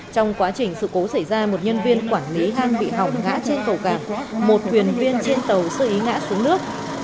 trong quá trình sự cố xảy ra một nhân viên quản lý hang vị hỏng ngã trên cầu cảng một quyền viên trên tàu sư ý ngã xuống nước